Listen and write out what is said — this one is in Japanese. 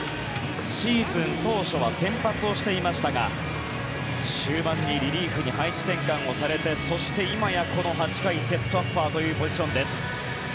シーズン当初は先発をしていましたが終盤にリリーフに配置転換されてそして、今やこの８回セットアッパーというポジションです。